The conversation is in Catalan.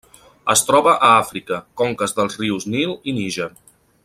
Es troba a Àfrica: conques dels rius Nil i Níger.